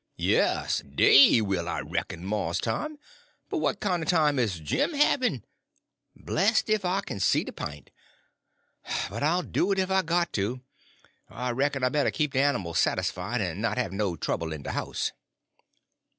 "Yes, dey will, I reck'n, Mars Tom, but what kine er time is Jim havin'? Blest if I kin see de pint. But I'll do it ef I got to. I reck'n I better keep de animals satisfied, en not have no trouble in de house."